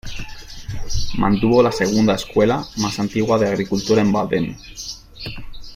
Mantuvo la segunda escuela más antigua de agricultura en Baden.